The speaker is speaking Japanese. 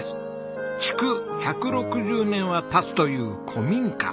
築１６０年は経つという古民家。